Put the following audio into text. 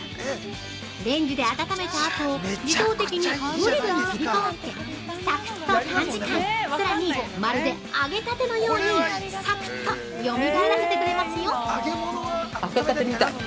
レンジで温めたあと、自動的にグリルに切り替わって、サクッと短時間、さらにまるで揚げたてのようにサクッと蘇らせてくれますよ！